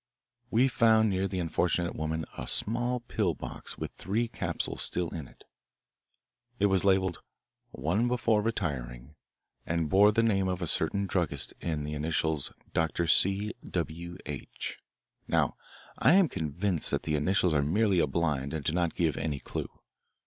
We found near the unfortunate woman a small pill box with three capsules still in it. It was labelled 'One before retiring' and bore the name of a certain druggist and the initials 'Dr. C. W. H.' Now, I am convinced that the initials are merely a blind and do not give any clue.